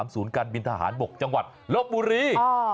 ศูนย์การบินทหารบกจังหวัดลบบุรี